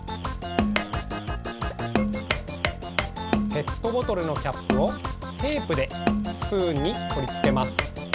ペットボトルのキャップをテープでスプーンにとりつけます。